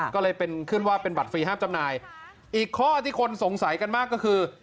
ก็เลยเป็นขึ้นว่าเป็นบัตรฟรีห้ามจำหน่ายอีกข้อที่คนสงสัยกันมากก็คือ